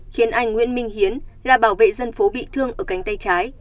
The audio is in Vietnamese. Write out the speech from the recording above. khiến anh nguyễn minh hiến là bảo vệ dân phố bị thương ở cánh tay trái